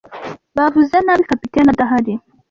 Bavuze nabi kapiteni adahari.